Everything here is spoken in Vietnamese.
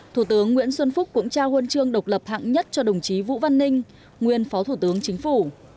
thủ tướng nguyễn xuân phúc cũng trao huân chương độc lập hạng nhất cho đồng chí vũ văn ninh nguyên phó thủ tướng chính phủ